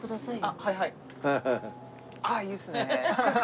あっいいですね。